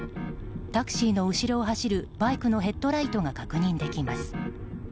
タクシーの後ろを走るバイクのヘッドライトが確認できます。